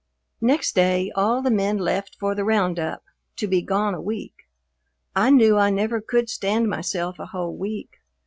Next day all the men left for the roundup, to be gone a week. I knew I never could stand myself a whole week.